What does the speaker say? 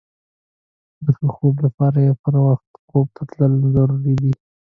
د ښه خوب لپاره پر وخت خوب ته تلل ضروري دي.